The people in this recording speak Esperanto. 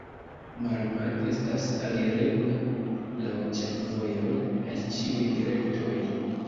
Maramag estas alirebla laŭ ĉefvojoj el ĉiuj direktoj.